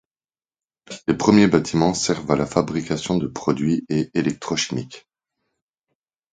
Les premiers bâtiments servent à la fabrication de produits et électrochimiques.